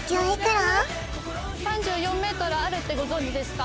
６３４ｍあるってご存じですか？